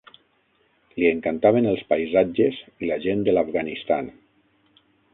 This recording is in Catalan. Li encantaven els paisatges i la gent de l'Afganistan.